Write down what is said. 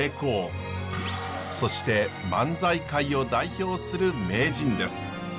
そして漫才界を代表する名人です。